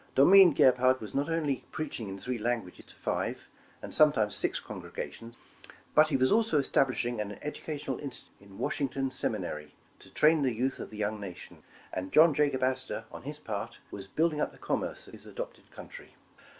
Domine Gebhard was not only preaching in three languages tu five, and sometimes six congregations, but he was also establishing an educational institution, in Washington Seminary, to train the youth of the young nation ; and John Jacob Astor, on his part, was building up the commerce of his adopted country.